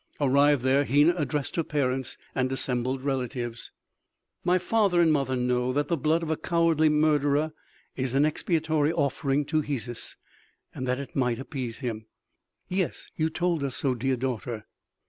Arrived there, Hena addressed her parents and assembled relatives: "My father and mother know that the blood of a cowardly murderer is an expiatory offering to Hesus, and that it might appease him " "Yes you told us so, dear daughter."